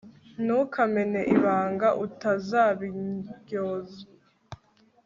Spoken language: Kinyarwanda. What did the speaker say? ntukamene ibanga, utazabiryozwa